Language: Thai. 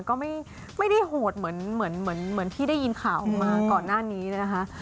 ก็ไม่ได้โหดเหมือนที่ได้ยินข่าวออกมาก่อนหน้านี้นะคะ